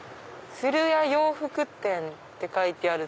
「鶴谷洋服店」って書いてある。